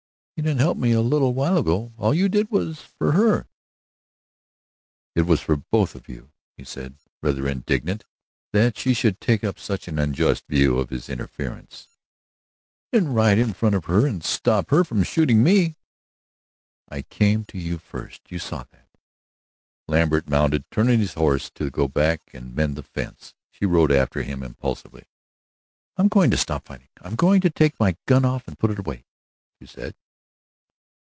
"You didn't help me a little while ago. All you did was for her." "It was for both of you," he said, rather indignant that she should take such an unjust view of his interference. "You didn't ride in front of her and stop her from shooting me!" "I came to you first you saw that." Lambert mounted, turned his horse to go back and mend the fence. She rode after him, impulsively. "I'm going to stop fighting, I'm going to take my gun off and put it away," she said.